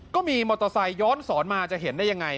ก็มีมอเตอร์ไซค์ย้อนสอนมาจะเห็นได้ยังไง